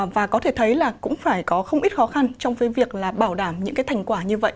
và có thể thấy là cũng phải có không ít khó khăn trong cái việc là bảo đảm những cái thành quả như vậy